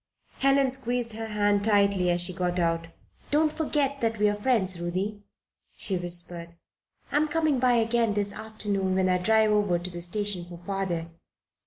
Helen squeezed her hand tightly as she got out "Don't forget that we are your friends, Ruthie," she whispered. "I'm coming by again this afternoon when I drive over to the station for father.